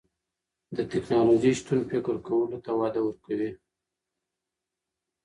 د تکنالوژۍ شتون فکر کولو ته وده ورکوي.